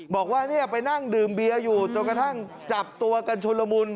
บอกว่าเนี่ยไปนั่งดื่มเบียร์อยู่จนกระทั่งจับตัวกันชุนละมุน